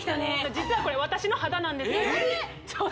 実はこれ私の肌なんですえっ！？